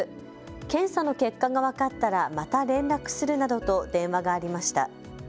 検査の結果が分かったら、また連絡するなどと電話がありました。